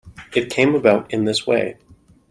It came about in this way.